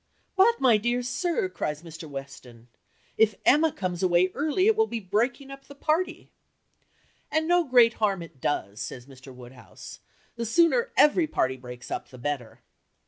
"But, my dear sir," cried Mr. Weston, "if Emma comes away early it will be breaking up the party." "And no great harm if it does," said Mr. Woodhouse. "The sooner every party breaks up the better."